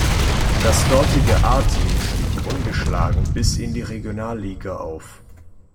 Das dortige A-Team stieg ungeschlagen bis in die Regionalliga auf.